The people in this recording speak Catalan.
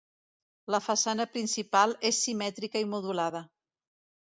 La façana principal és simètrica i modulada.